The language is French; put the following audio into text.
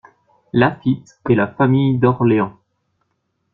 Laffitte et la famille d'Orléans.